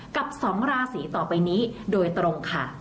กับ๒ราศีต่อไปนี้โดยตรงค่ะ